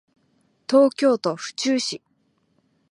東京都府中市